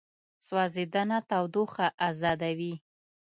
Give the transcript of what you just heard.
سوځېدنه تودوخه ازادوي.